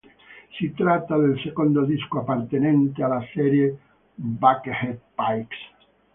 Si tratta del secondo disco appartenente alla serie "Buckethead Pikes".